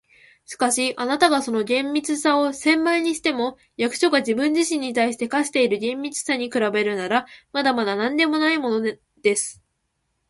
「しかし、あなたがその厳密さを千倍にしても、役所が自分自身に対して課している厳密さに比べるなら、まだまだなんでもないものです。